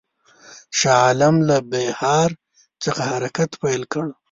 شاه عالم له بیهار څخه حرکت پیل کړ.